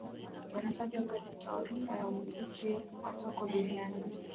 wanatajwa pia katika orodha ya magwiji wa soka dunaini